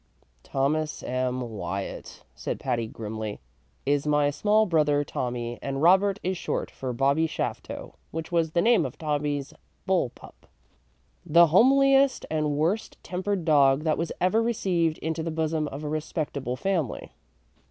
"Thomas M. Wyatt," said Patty, grimly, "is my small brother Tommy, and Robert is short for Bobby Shafto, which was the name of Tommy's bull pup, the homeliest and worst tempered dog that was ever received into the bosom of a respectable family."